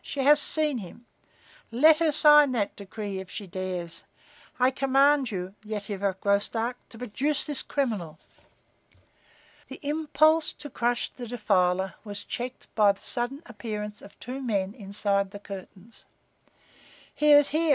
She has seen him. Let her sign that decree if she dares! I command you, Yetive of Graustark, to produce this criminal!" The impulse to crush the defiler was checked by the sudden appearance of two men inside the curtains. "He is here!"